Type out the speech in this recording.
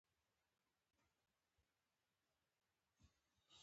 بارتر سیستم څه ته وایي؟